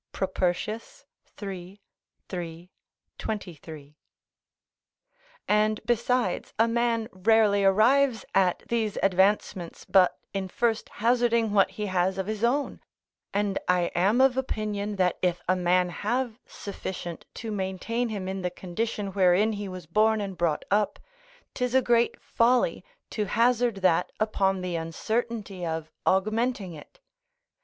Propertius, iii. 3, 23.] and besides, a man rarely arrives at these advancements but in first hazarding what he has of his own; and I am of opinion that if a man have sufficient to maintain him in the condition wherein he was born and brought up, 'tis a great folly to hazard that upon the uncertainty of augmenting it.